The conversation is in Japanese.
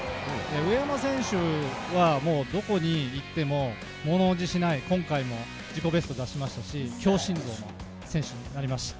上山選手はどこに行っても、ものおじしない、今回も自己ベストを出しましたし、強心臓の選手になりました。